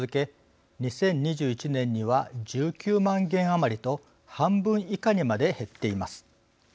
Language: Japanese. ２０２１年には１９万件余りと半分以下にまで減っています。